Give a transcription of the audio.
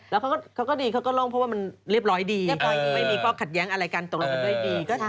แล้วเขาก็ดีเขาก็ร่องเพราะว่ามันเรียบร้อยดีไม่มีข้อขัดแย้งอะไรกันตกลงกันด้วยดี